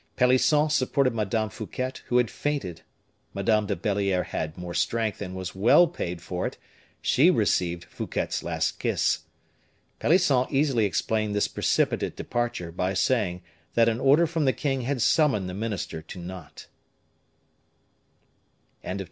Pelisson supported Madame Fouquet, who had fainted. Madame de Belliere had more strength, and was well paid for it; she received Fouquet's last kiss. Pelisson easily explained this precipitate departure by saying that an order from the king had summoned the minister to Nantes. Chapter XXXVI. In M.